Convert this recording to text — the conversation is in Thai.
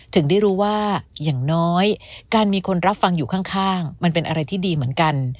ถึงได้รู้ว่าอย่างน้อยการมีคนรับฟังอยู่ข้างมันเป็นอะไรที่ดีเหมือนกัน